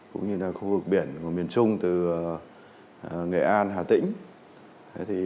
cũng như là khu vực biển của miền trung từ nghệ an hà tĩnh